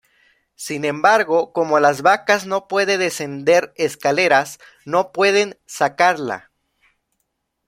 Sin embargo, como las vacas no puede descender escaleras, no pueden sacarla.